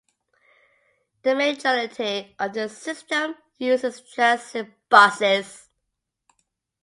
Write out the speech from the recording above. The majority of the system uses transit buses.